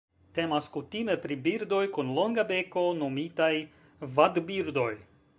Temas kutime pri birdoj kun longa beko nomitaj vadbirdoj.